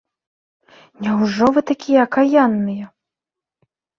Няўжо вы такія акаянныя?!